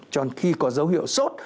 cho nên khi có dấu hiệu suốt